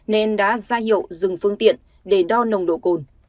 nên đã ra hiệu dừng phương tiện để đo nồng độ cồn